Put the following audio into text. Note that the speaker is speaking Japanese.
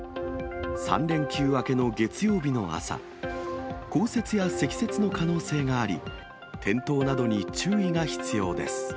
３連休明けの月曜日の朝、降雪や積雪の可能性があり、転倒などに注意が必要です。